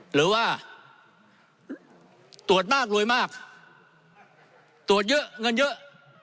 หรือว่าตรวจมากรวยมากตรวจเยอะเงินเยอะ